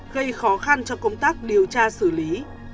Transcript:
gây khó khăn cho công tác điều tra xử lý